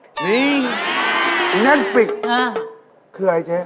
นี่เน็ตฟริกคืออะไรเจ๊